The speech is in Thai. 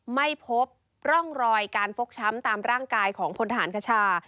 ไม่พบร่องรอยการฟกช้ำตามร่างกายของพลทหารคชา